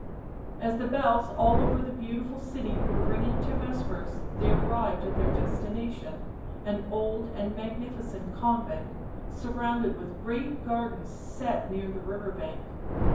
As the bells over all the beautiful city were ringing to vespers they arrived at their destination, an old and magnificent convent surrounded with great gar dens set near the river bank.